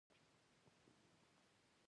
د عرفان زدهکړه د فکر ارامتیا راولي.